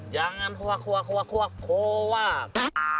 jangan huak huak huak huak huak huak